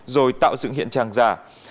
rồi tạo dựng hiện tràng giả